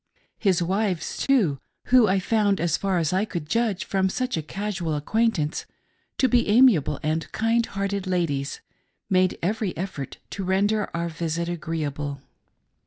His wives, too, — who I found, as far as I could judge from such a casual acquaintance, to be amiable and kind hearted ladies, — made every effort to render our visit agreeable.